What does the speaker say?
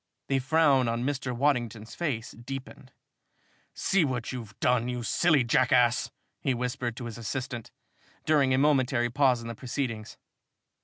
The frown on Mr. Waddington's face deepened. "See what you've done, you silly jackass!" he whispered to his assistant, during a momentary pause in the proceedings.